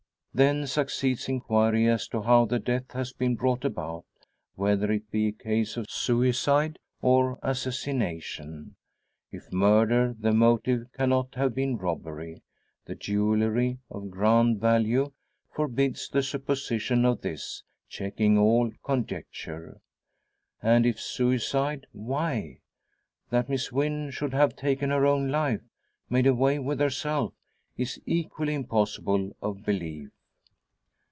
Then succeeds inquiry as to how the death has been brought about; whether it be a case of suicide or assassination? If murder the motive cannot have been robbery. The jewellery, of grand value, forbids the supposition of this, checking all conjecture. And if suicide, why? That Miss Wynn should have taken her own life made away with herself is equally impossible of belief.